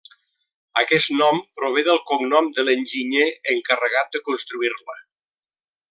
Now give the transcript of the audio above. Aquest nom prové del cognom de l'enginyer encarregat de construir-la.